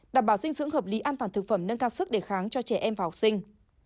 đảm bảo dinh dưỡng hợp lý an toàn thực phẩm nâng cao sức đề kháng cho trẻ em và học sinh